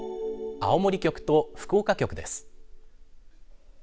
青森局と福岡局です。